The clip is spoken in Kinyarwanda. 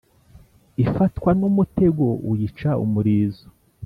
ifatwa n'umutego uyica umurizo